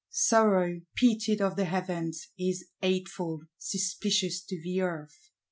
Sorrow, pitied of the Heavens, is hateful, suspicious to the Earth.